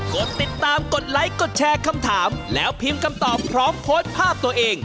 กดติดตามกดไลค์กดแชร์คำถามแล้วพิมพ์คำตอบพร้อมโพสต์ภาพตัวเอง